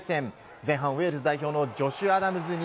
前半ウェールズ代表のジョシュ・アダムスに